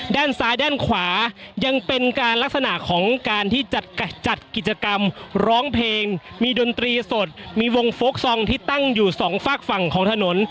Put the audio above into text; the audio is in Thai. ด้านซ้ายด้านขวายังเป็นการลักษณะของการที่จัดกิจกรรมร้องเพลงมีดนตรีสดมีวงโฟลกซองที่ตั้งอยู่สองฝากฝั่งของถนน